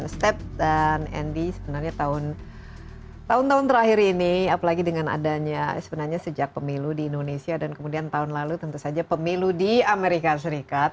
sebenarnya sejak pemilu di indonesia dan kemudian tahun lalu tentu saja pemilu di amerika serikat